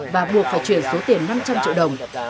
và buộc phải chuyển số tiền năm trăm linh triệu đồng